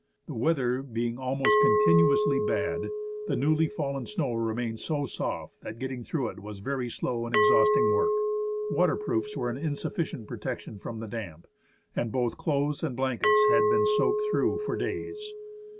The weather being almost con tinuously bad, the newly fallen snow remained so soft that getting through it was very slow and exhausting work. Waterproofs were an insufficient protection from the damp, and both clothes and blankets had been soaked through for days.